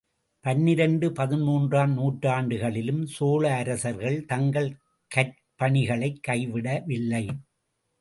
பன்னிரண்டு, பதின்மூன்றாம் நூற்றாண்டுகளிலும் சோழ அரசர்கள் தங்கள் கற்பணிகளைக் கைவிட வில்லை.